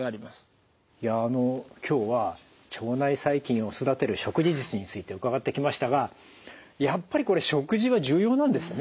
あの今日は腸内細菌を育てる食事術について伺ってきましたがやっぱりこれ食事は重要なんですね。